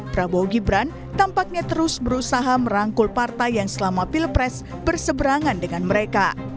prabowo gibran tampaknya terus berusaha merangkul partai yang selama pilpres berseberangan dengan mereka